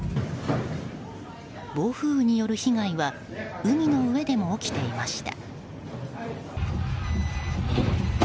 暴風雨による被害は海の上でも起きていました。